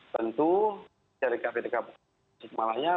tentu dari kabupaten pasir kemalaya